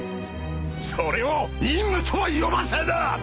それを任務とは呼ばせぬ！